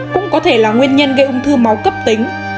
cũng có thể là nguyên nhân gây ung thư máu cấp tính